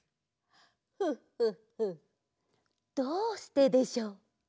フッフッフッどうしてでしょう？